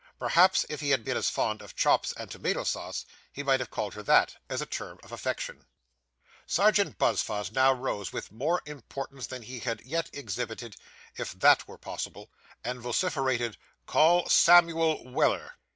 Perhaps if he had been as fond of chops and tomato sauce, he might have called her that, as a term of affection. Serjeant Buzfuz now rose with more importance than he had yet exhibited, if that were possible, and vociferated; 'Call Samuel Weller.